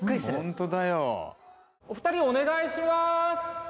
お二人お願いします。